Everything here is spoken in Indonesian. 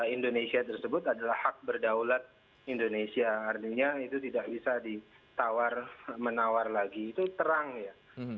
indonesia tersebut adalah hak berdaulat indonesia artinya itu tidak bisa ditawar menawar lagi itu terang ya